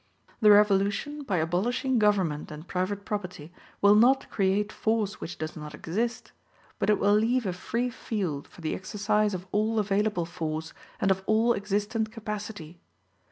The revolution, by abolishing government and private property, will not create force which does not exist; but it will leave a free field for the exercise of all available force and of all existent capacity.